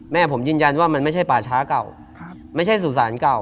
แม่ผมยืนยันว่ามันไม่ใช่ป่าช้าเก่าไม่ใช่สู่สารเก่า